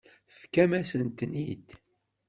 Tefkam-asent-ten-id.